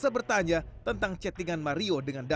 pertanyaan dalam treach